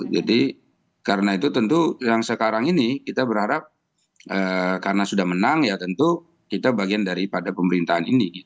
jadi karena itu tentu yang sekarang ini kita berharap karena sudah menang ya tentu kita bagian daripada pemerintahan ini